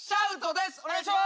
お願いします！